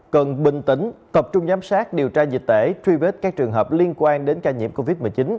cần bình tĩnh tập trung giám sát điều tra dịch tễ truy vết các trường hợp liên quan đến ca nhiễm covid một mươi chín